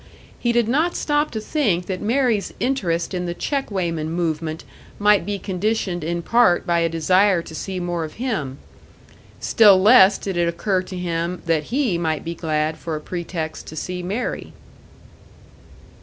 He did not stop to think that Mary's interest in the check weighman movement might be conditioned in part by a desire to see more of him; still less did it occur to him that he might be glad for a pretext to see Mary.